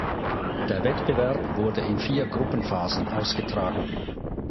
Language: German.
Der Wettbewerb wurde in vier Gruppenphasen ausgetragen.